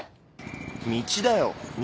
道だよ道。